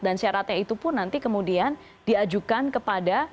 syaratnya itu pun nanti kemudian diajukan kepada